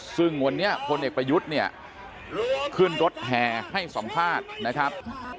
ซึ่งวันนี้พลเอกประยุทธ์เนี่ยขึ้นรถแห่ให้สัมภาษณ์นะครับ